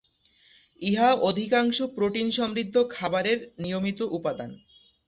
ইহা অধিকাংশ প্রোটিন সমৃদ্ধ খাবারের নিয়মিত উপাদান।